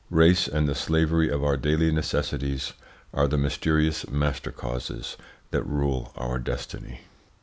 Race and the slavery of our daily necessities are the mysterious master causes that rule our destiny.